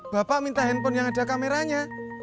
bapak minta handphone yang ada kameranya